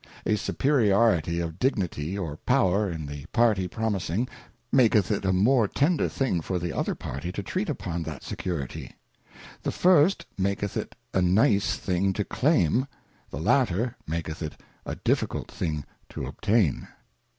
A superiority of Dignity or Power in the party promising maketh it a more tender thing for the other party to treat upon that security. The first maketh it a nice thing to claim, the latter maketh it a difficult thing to obtain.